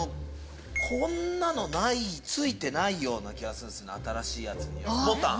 こんなの付いてないような気がするんですね新しいやつにはボタン。